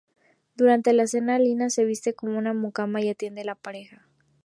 Durante la cena, Alina se viste como una mucama y atiende a la pareja.